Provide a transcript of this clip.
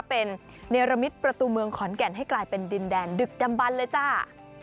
เป็นเนรมิตประตูเมืองขอนแก่นให้กลายเป็นดินแดนดึกดำบันเลยจ้า